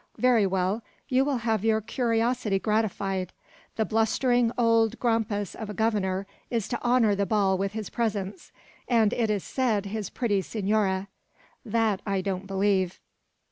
"Very well, you will have your curiosity gratified. The blustering old grampus of a Governor is to honour the ball with his presence; and it is said, his pretty senora; that I don't believe."